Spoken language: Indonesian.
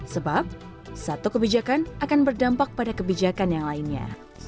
sebab satu kebijakan akan berdampak pada kebijakan yang lainnya